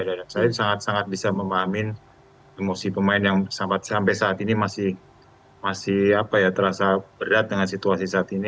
saya sangat sangat bisa memahamin emosi pemain yang sampai saat ini masih terasa berat dengan situasi saat ini